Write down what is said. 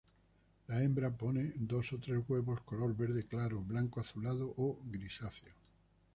La hembra pone dos o tres huevos color verde claro, blanco azulado o grisáceo.